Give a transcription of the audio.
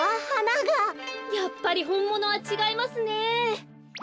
やっぱりほんものはちがいますね。